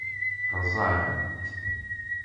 Rẓan-t.